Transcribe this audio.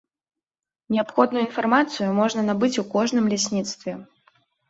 Неабходную інфармацыю можна набыць у кожным лясніцтве.